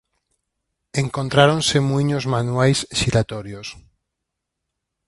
Encontráronse muíños manuais xiratorios.